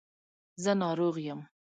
زه ناروغ یم.